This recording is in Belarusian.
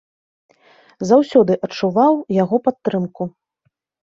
Заўсёды адчуваў яго падтрымку.